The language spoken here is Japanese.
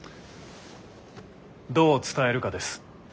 どう伝えるかです。